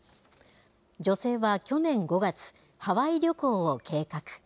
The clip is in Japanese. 女性は去年５月、ハワイ旅行を計画。